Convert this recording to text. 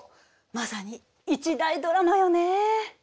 まさに一大ドラマよね。